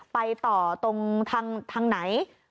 ไปต่อตรงทางไหน